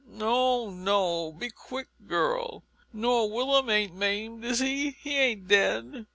"No, no; be quick, girl!" "Nor Willum ain't maimed, is he? He ain't dead?